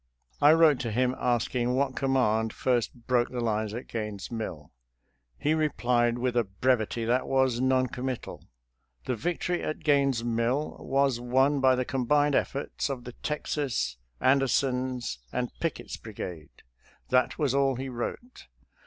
I wrote to him asking what command first broke the lines at Gaines' Mill. He replied with a brevity that was non committal :" The victory at Gaines' Mill was won by the combined efforts of the Texas, Ander son's, and Pickett's brigade." That was all he wrote.